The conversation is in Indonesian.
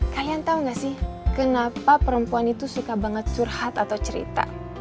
kalian tahu nggak sih kenapa perempuan itu suka banget curhat atau cerita